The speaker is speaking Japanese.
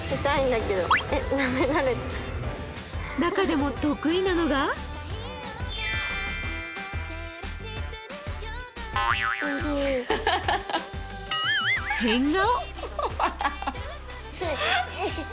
中でも得意なのが変顔。